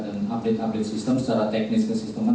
dan update update sistem secara teknis ke sistem